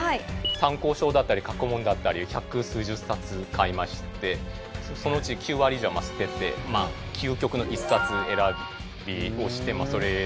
参考書だったり過去問だったり百数十冊買いましてそのうち９割以上は捨てて究極の１冊選びをしてそれで全力投球してましたね。